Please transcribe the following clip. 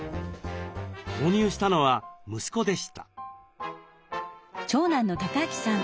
購入したのは息子でした。